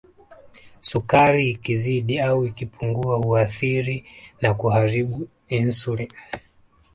Sukari ikizidi au ikipungua huathiri na kuharibu Insulini